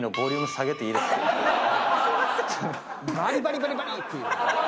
バリバリバリバリ！っていう。